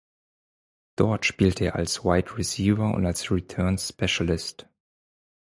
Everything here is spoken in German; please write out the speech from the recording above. Dort spielte er als Wide Receiver und als Return Specialist.